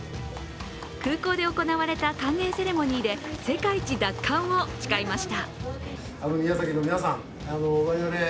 空港で行われた歓迎セレモニーで世界一奪還を誓いました。